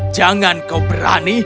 jangan kau berani